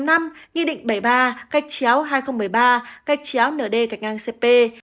nghị định bảy mươi ba cách chéo hai nghìn một mươi ba cách chéo nd cạnh ngang cp